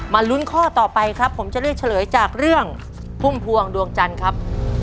ลุ้นข้อต่อไปครับผมจะเลือกเฉลยจากเรื่องพุ่มพวงดวงจันทร์ครับ